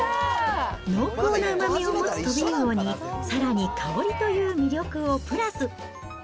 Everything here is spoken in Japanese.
濃厚なうまみを持つトビウオに、さらに香りという魅力をプラス。